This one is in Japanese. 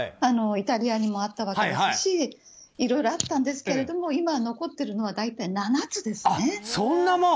イタリアにもあったわけですしいろいろあったんですけれども今、残っているのは大体７つですね。